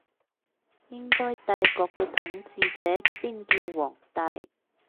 應該帝國嘅統治者先叫皇帝